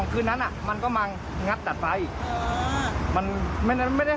คือไล่ผมไม่ได้ไล่ไล่ทั้งแรกนะครับ